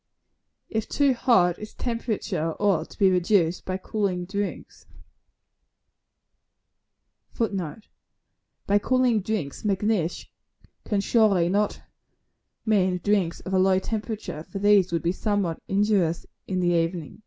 If too hot, its temperature ought to be reduced by cooling drinks, [Footnote: By cooling drinks. Macnish cannot surely mean drinks of a low temperature, for these would be somewhat injurious in the evening.